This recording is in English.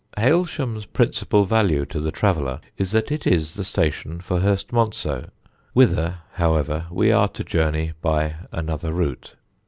Hailsham's principal value to the traveller is that it is the station for Hurstmonceux; whither, however, we are to journey by another route.